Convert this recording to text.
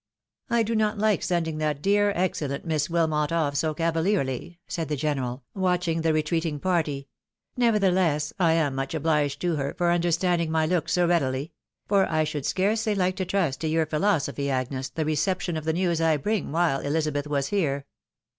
" I do not like sending that dear, excellent Miss Wilmot off so cavalierly," said the general, watching the retreating party ;" nevertheless, I am much obliged to her for understanding my look so readily ; for I should scarcely like to trust to your philo sophy, Agnes, the reception of the news I bring while Elizabeth was here."